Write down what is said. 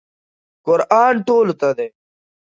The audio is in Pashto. قرآن ټولو ته دی.